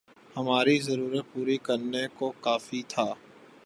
ہماری ضرورت پوری کرنے کو کافی تھا